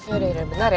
yaudah ya bener ya